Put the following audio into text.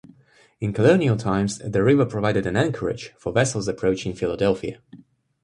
In colonial times the river provided an anchorage for vessels approaching Philadelphia.